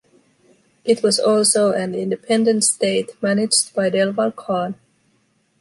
It was also an independent State managed by Delwar Khan.